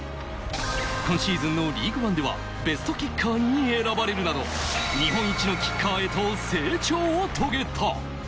今シーズンのリーグワンではベストキッカーに選ばれるなど、日本一のキッカーへと成長を遂げた。